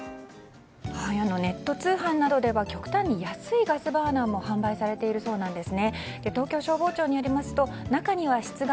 ネット通販などでは極端に安いガスバーナーも販売されているそうです。